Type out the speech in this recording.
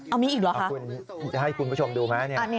เอามีอีกเหรอค่ะ